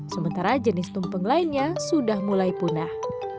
sementara jenis tumpeng lainnya sudah mulai punah